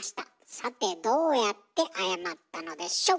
さてどうやって謝ったのでしょう？